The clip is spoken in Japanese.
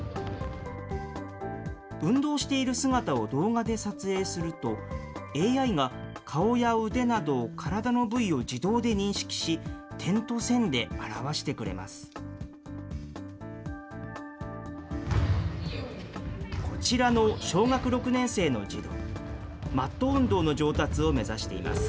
運動している姿を動画で撮影すると、ＡＩが顔や腕など、体の部位を自動で認識し、点と線で表してくれます。